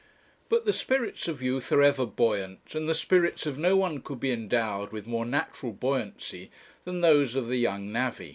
But the spirits of youth are ever buoyant, and the spirits of no one could be endowed, with more natural buoyancy than those of the young navvy.